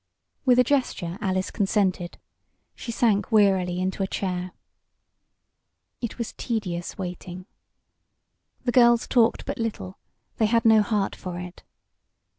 With a gesture Alice consented. She sank wearily into a chair. It was tedious waiting. The girls talked but little they had no heart for it.